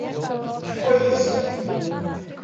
O que foi isso?